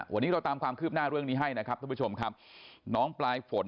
วันนี้เราตามความคืบหน้าเรื่องนี้ให้นะครับท่านผู้ชมครับน้องปลายฝน